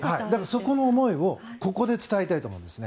そこの思いをここで伝えたいと思います。